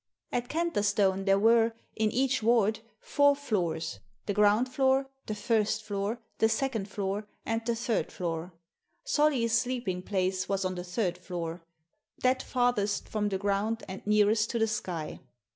At Canterstone there were, in each ward, four floors: the ground floor, the first floor, the second floor, and the third floor, Solly's sleeping place was on the third floor, that farthest from the ground and nearest to the sky.